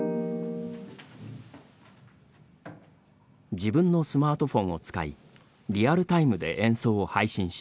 自分のスマートフォンを使いリアルタイムで演奏を配信します。